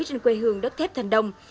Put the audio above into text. trên quê hương đất thép thành đồng